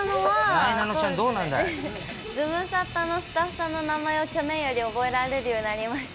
なえなのは、ズムサタのスタッフさんの名前を去年より覚えられるようになりました。